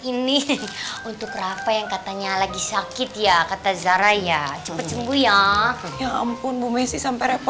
ini untuk rafa yang katanya lagi sakit ya kata zara ya cepet cengguh ya ya ampun bumi sih sampai